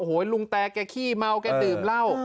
โอ้โหลุงแต่แกขี้เมาแกดื่มเหล้า